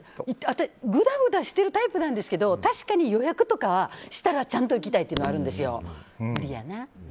ぐだぐだしてるタイプなんですけど確かに予約とかはしたらちゃんと行きたいっていうのはあるんですよ。